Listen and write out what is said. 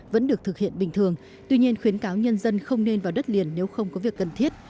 vẫn được thực hiện bình thường tuy nhiên khuyến cáo nhân dân không nên vào đất liền nếu không có việc cần thiết